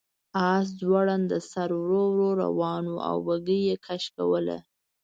آس ځوړند سر ورو ورو روان و او بګۍ یې کش کوله.